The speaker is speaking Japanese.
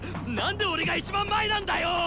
何で俺が一番前なんだよ！